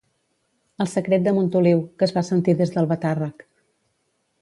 El secret de Montoliu, que es va sentir des d'Albatàrrec.